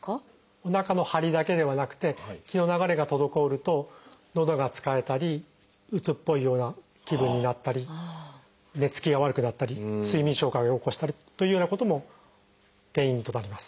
おなかのハリだけではなくて気の流れが滞るとのどがつかえたりうつっぽいような気分になったり寝つきが悪くなったり睡眠障害を起こしたりというようなことの原因となります。